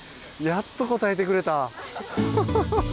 やっと応えてくれた。